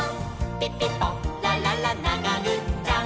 「ピピポラララながぐっちゃん！！」